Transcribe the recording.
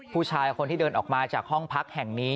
ผู้ชายคนที่เดินออกมาจากห้องพักแห่งนี้